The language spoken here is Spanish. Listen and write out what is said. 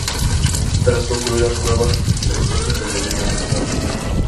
Tras concluir las pruebas, zarpó junto al "Merlín" al Callao.